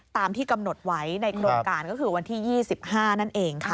ตามที่กำหนดไว้ในโครงการก็คือวันที่๒๕นั่นเองค่ะ